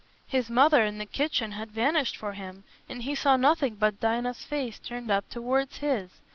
His mother and the kitchen had vanished for him, and he saw nothing but Dinah's face turned up towards his.